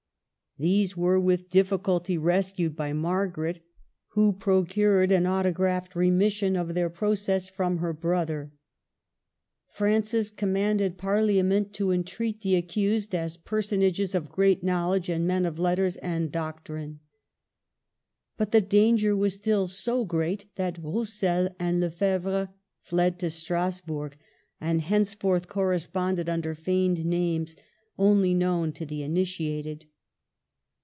These were with difficulty rescued by Margaret, who procured an autograph remission of their process from her brother. Francis commanded Parliament to entreat the accused as " person ages of great knowledge and men of letters and doctrine." But the danger ::was still so great that Roussel and Lefebvre ^fled to Strasburg, and henceforth corresponded under feigned names, only known to the initiated.